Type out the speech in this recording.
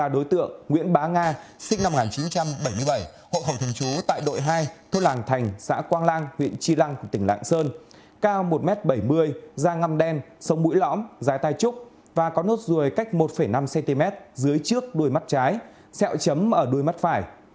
đối tượng nguyễn bá nga sinh năm một nghìn chín trăm bảy mươi bảy hộ khẩu thường trú tại đội hai thôn lạng thành xã quang lang huyện chi lăng tỉnh lạng sơn cao một m bảy mươi da ngăm đen sông mũi lõm dài tai trúc và có nốt ruồi cách một năm cm dưới trước đuôi mắt trái sẹo chấm ở đuôi mắt phải